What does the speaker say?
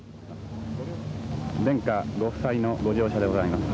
「殿下ご夫妻のご乗車でございます」。